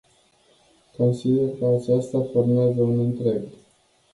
Consider că acesta formează un întreg.